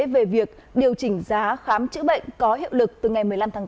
về việc điều chỉnh giá khám chữa bệnh có hiệu lực từ ngày một mươi năm tháng tám